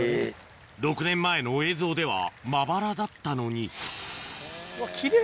６年前の映像ではまばらだったのに奇麗！